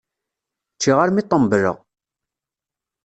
Ččiɣ armi ṭembleɣ!